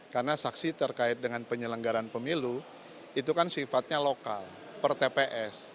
karena saksi terkait dengan penyelenggaran pemilu itu kan sifatnya lokal per tps